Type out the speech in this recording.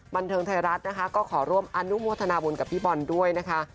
บันเทิงไทยรัฐนะคะก็ขอร่วมอนุโมทนาบุญกับพี่บอลด้วยนะคะ